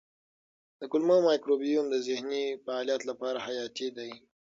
د کولمو مایکروبیوم د ذهني فعالیت لپاره حیاتي دی.